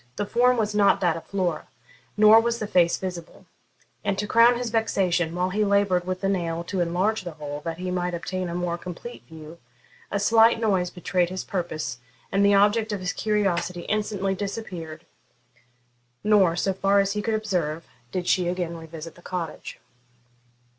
The form was not that of Flora, nor was the face visible; and, to crown his vexation, while he laboured with the nail to enlarge the hole, that he might obtain a more complete view, a slight noise betrayed his purpose, and the object of his curiosity instantly disappeared, nor, so far as he could observe, did she again revisit the cottage.